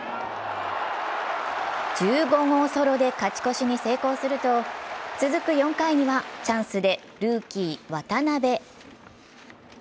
１５号ソロで勝ち越しに成功すると続く４回には、チャンスでルーキー・渡部。